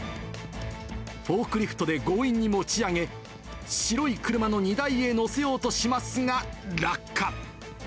フォークリフトで強引に持ち上げ、白い車の荷台へ載せようとしますが、落下。